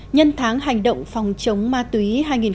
nhân tháng hành động phòng chống ma túy hai nghìn một mươi tám